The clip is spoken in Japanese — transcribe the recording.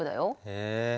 へえ。